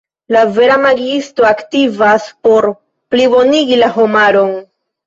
La vera magiisto aktivas por plibonigi la homaron.